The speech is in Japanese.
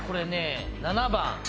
７番。